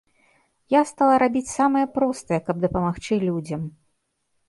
Я стала рабіць самае простае, каб дапамагчы людзям.